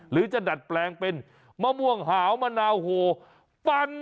หรือจะดัดแปลงเป็นมะม่วงหาวมะนาวโหปัน